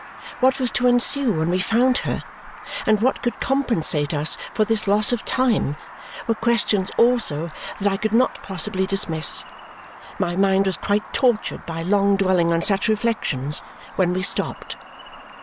What was to ensue when we found her and what could compensate us for this loss of time were questions also that I could not possibly dismiss; my mind was quite tortured by long dwelling on such reflections when we stopped.